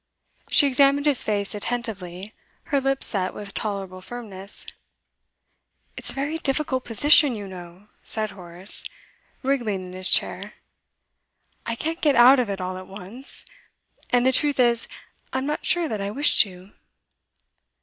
She examined his face attentively, her lips set with tolerable firmness. 'It's a very difficult position, you know,' said Horace, wriggling in his chair. 'I can't get out of it all at once. And the truth is, I'm not sure that I wish to.